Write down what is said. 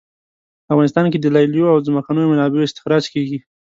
افغانستان کې د لیلیو او ځمکنیو منابعو استخراج کیږي